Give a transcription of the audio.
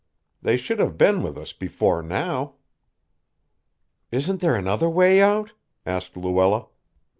"They should have been with us before now." "Isn't there another way out?" asked Luella.